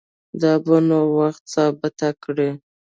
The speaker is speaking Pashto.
دا به نو وخت ثابته کړي